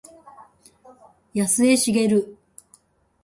保栄茂